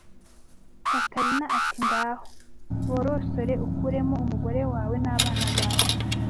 gatarina ati Ngaho borosore ukuremo umugore wawe n'abana bawe